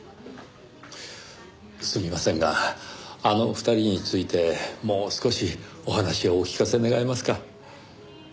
すみませんがあの２人についてもう少しお話をお聞かせ願えますか？